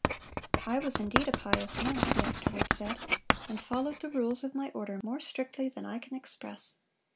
"I was indeed a pious monk," he afterward said, "and followed the rules of my order more strictly than I can express.